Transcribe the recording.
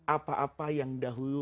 apa apa yang dahulu